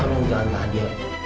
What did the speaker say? pak tolong jangan tahan dewi